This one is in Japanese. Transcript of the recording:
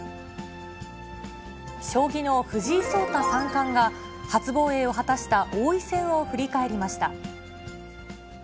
将棋の藤井聡太三冠が、初防衛を果たした王位戦を振り返りました。